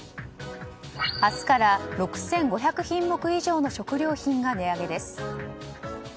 明日から６５００品目以上の食料品が値上げです。